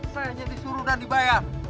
saya hanya disuruh dan dibayar